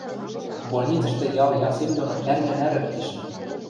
Больницӹштӹ ял ясем доно ӓрня нӓрӹк кишӹм.